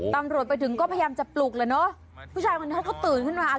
ต่ำรวจพยายามจะปลุกแล้วเนาะ